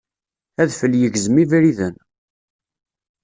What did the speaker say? Adfel yegzem ibriden.